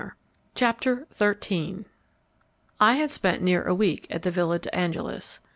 CHAPTER XIII I had spent near a week at the Villa de Angelis.